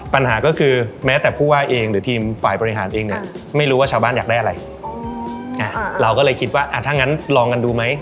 ปัญหาก็คือแม้แต่ผู้ว่าเองหรือทีมฝ่ายปริหารเอง